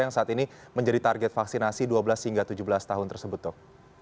yang saat ini menjadi target vaksinasi dua belas hingga tujuh belas tahun tersebut dok